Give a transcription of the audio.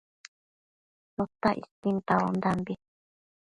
Chotac isquin tauaondambi